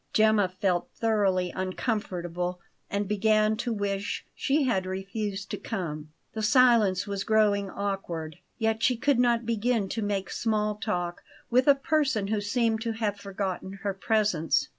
Gemma felt thoroughly uncomfortable, and began to wish she had refused to come; the silence was growing awkward; yet she could not begin to make small talk with a person who seemed to have forgotten her presence.